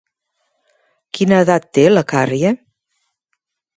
Quina edat té la Carrie?